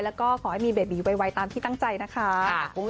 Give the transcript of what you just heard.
แล้วก็ขอให้มีเบบีไวตามที่ตั้งใจนะคะ